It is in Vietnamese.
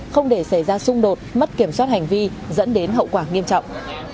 không để xảy ra xung đột mất kiểm soát hành vi dẫn đến hậu quả nghiêm trọng